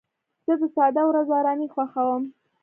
زه د ساده ورځو ارامي خوښوم.